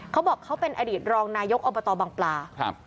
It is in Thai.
เขาบอกเขาเป็นอดีตรองนายกอบตบังปลาครับ